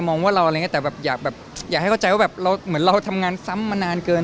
มองว่าเราอยากให้เข้าใจว่าเหมือนเราทำงานซ้ำมานานเกิน